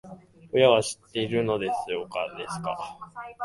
親は知ってるのか？